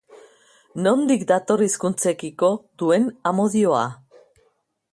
Nondik dator hizkuntzekiko duen amodioa?